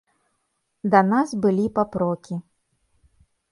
Да нас былі папрокі.